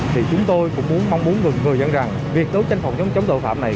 thì chúng tôi cũng mong muốn người dân rằng việc đấu tranh phòng chống tội phạm này